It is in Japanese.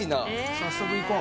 早速いこう。